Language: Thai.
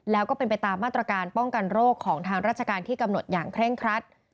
แล้วก็เป็นไปตามมาตรการป้องกันโรคของทางราชการที่กำหนดอย่างเคร่งครัด